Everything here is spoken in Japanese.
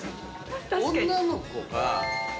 女の子が。